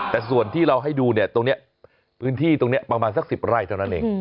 แต่ส่วนที่เราให้ดูเนี่ยตรงนี้พื้นที่ตรงนี้ประมาณสัก๑๐ไร่เท่านั้นเอง